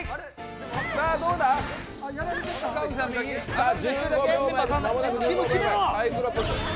さあどうだ？ああ！